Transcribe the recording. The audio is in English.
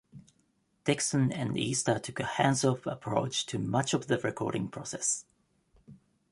Dixon and Easter took a hands-off approach to much of the recording process.